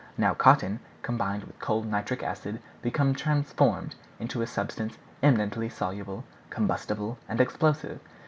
Now cotton, combined with cold nitric acid, become transformed into a substance eminently insoluble, combustible, and explosive.